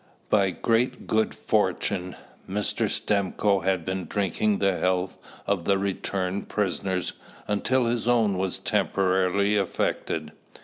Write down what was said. By great good fortune, Mr. Stimcoe had been drinking the health of the returned prisoners until his own was temporarily affected.